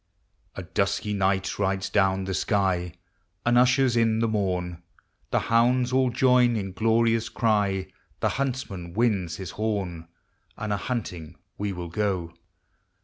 The dusky ni2,ht rides down the sky, And ushers in the morn : The hounds all join in glorious cry, The huntsman winds his horn, And a hunting we will go.